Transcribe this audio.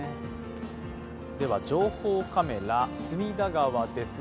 では情報カメラ、隅田川です。